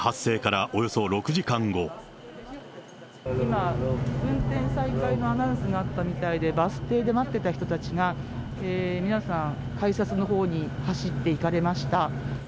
今、運転再開のアナウンスがあったみたいで、バス停で待ってた人たちが、皆さん、改札のほうに走っていかれました。